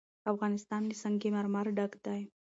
افغانستان له سنگ مرمر ډک دی.